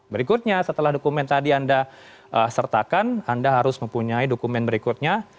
berikutnya setelah dokumen tadi anda sertakan anda harus mempunyai dokumen berikutnya